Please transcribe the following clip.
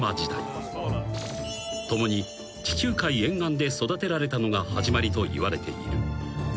［共に地中海沿岸で育てられたのが始まりといわれている］